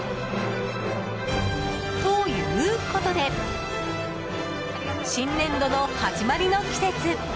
ということで新年度の始まりの季節。